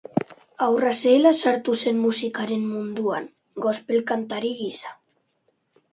Haurra zela sartu zen musikaren munduan, gospel-kantari gisa.